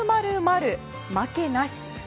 負けなし。